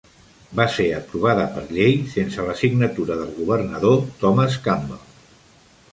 Va ser aprovada per llei sense la signatura del governador Thomas Campbell.